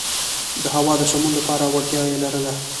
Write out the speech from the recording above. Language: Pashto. د هوا د سمون لپاره وړتیا یې لرله.